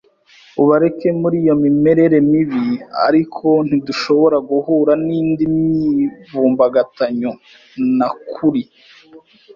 ubareke muri iyo mimerere mibi; ariko ntidushobora guhura n'indi myivumbagatanyo; na Kuri